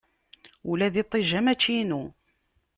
Ula d iṭij-a mačči inu.